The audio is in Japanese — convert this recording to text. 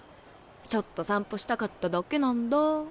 ちょっと散歩したかっただけなんだ。